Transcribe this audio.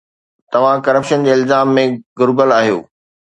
توهان ڪرپشن جي الزامن ۾ گھريل آهيو.